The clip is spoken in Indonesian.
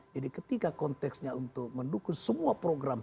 jadi ketika konteksnya untuk mendukung semua program